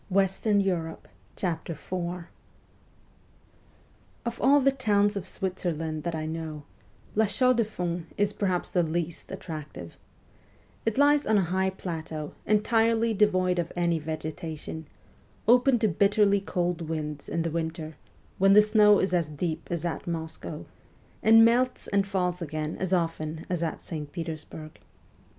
WESTERN EUROPE 203 IV OF all the towns of Switzerland that I know, La Chaux de Fonds is perhaps the least attractive. It lies on a high plateau entirely devoid of any vegetation, open to bitterly cold winds in the winter, when the snow lies as deep as at Moscow, and rnelts and falls again as often as at St. Petersburg.